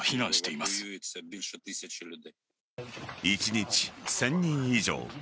一日１０００人以上。